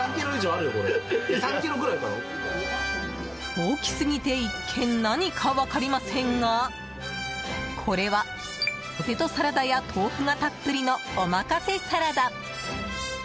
大きすぎて一見、何か分かりませんがこれは、ポテトサラダや豆腐がたっぷりの、おまかせサラダ。